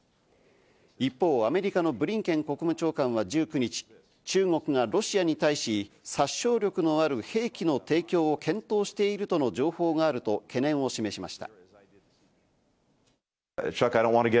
一方、アメリカのブリンケン国務長官は１９日、中国がロシアに対し殺傷力のある兵器の提供を検討しているとの情報があると懸念を示しました。